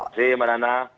terima kasih mas toto